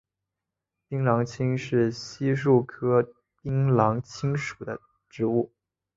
槟榔青是漆树科槟榔青属的植物。